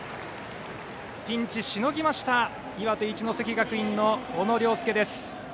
ピンチをしのぎました岩手・一関学院の小野涼介。